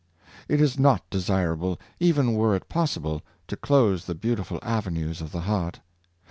It is not desirable, even were it possible, to close the beautiful avenues of the heart.